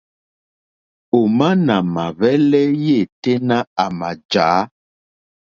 Òmá nà mà hwɛ́lɛ́ yêténá à mà jǎ.